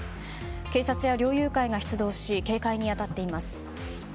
警察や猟友会が出動し警戒に当たっています。